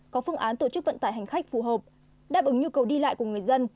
có phương án tổ chức vận tải hành khách phù hợp đáp ứng nhu cầu đi lại của người dân